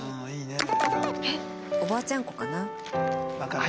おばあちゃん子かな？